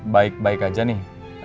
baik baik aja nih